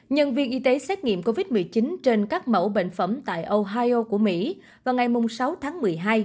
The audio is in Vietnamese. nhân viên y tế xét nghiệm covid một mươi chín trên các mẫu bệnh phẩm tại ohio của mỹ vào ngày sáu tháng một mươi hai